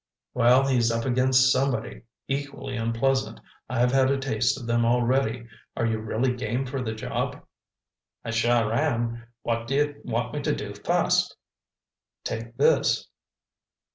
"Well, he's up against somebody equally unpleasant. I've had a taste of them already. Are you really game for the job?" "I sure am. What do you want me to do first?" "Take this."